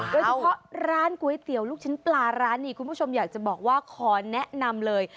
โดยเฉพาะร้านก๋วยเตี๋ยวลูกชิ้นปลาร้านนี้คุณผู้ชมอยากจะบอกว่าขอแนะนำเลย